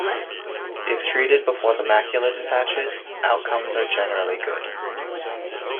If treated before the macula detaches outcomes are generally good.